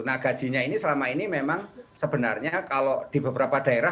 nah gajinya ini selama ini memang sebenarnya kalau di beberapa daerah